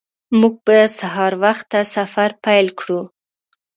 موږ به سهار وخته سفر پیل کړو